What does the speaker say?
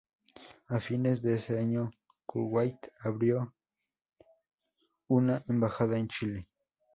A fines de ese año, Kuwait abrió una embajada en Chile.